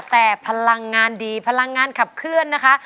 แต่พลังงานดีพลังงานขับเคลื่อนนะคะ